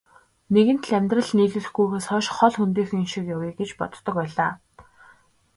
Нэгэнт л амьдрал нийлүүлэхгүйгээс хойш хол хөндийхөн шиг явъя гэж боддог байлаа.